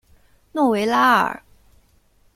诺维拉尔。